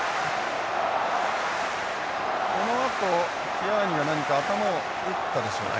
このあとキアーニが何か頭を打ったでしょうか。